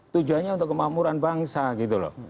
tujuannya untuk kemakmuran bangsa gitu loh